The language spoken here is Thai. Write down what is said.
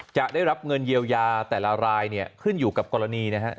จะได้รับเงินเยียวยาแต่ละรายเนี่ยขึ้นอยู่กับกรณีนะฮะ